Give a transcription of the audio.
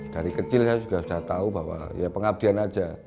dari kecil saya sudah tahu bahwa pengabdian saja